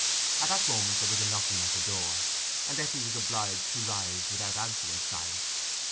At that moment there was a knocking at the door; and Eppie was obliged to rise without answering Silas.